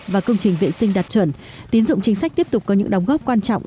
và công trình vệ sinh đạt chuẩn tín dụng chính sách tiếp tục có những đóng góp quan trọng